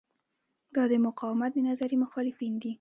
دا د مقاومت د نظریې مخالفین دي.